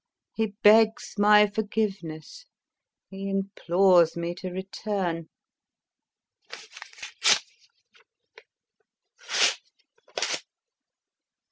He begs my forgiveness, he implores me to return....